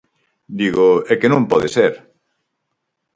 Digo: ¡é que non pode ser!